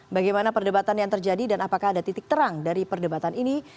bagaimana perdebatan yang terjadi dan apakah ada titik terang dari perdebatan ini